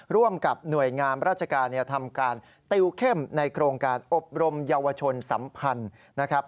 ร่วมกับหน่วยงามราชการทำการติวเข้มในโครงการอบรมเยาวชนสัมพันธ์นะครับ